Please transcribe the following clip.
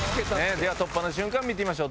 では突破の瞬間見てみましょう。